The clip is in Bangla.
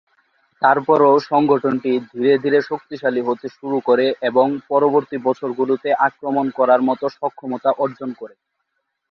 তারপরও সংগঠনটি ধীরে ধীরে শক্তিশালী হতে শুরু করে এবং পরবর্তি বছরগুলোতে আক্রমণ করার মতো সক্ষমতা অর্জন করে।